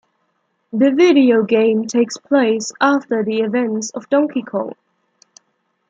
The video game takes place after the events of Donkey Kong.